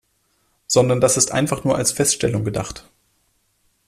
Sondern das ist einfach nur als Feststellung gedacht.